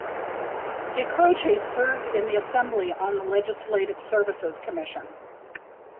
DeCroce served in the Assembly on the Legislative Services Commission.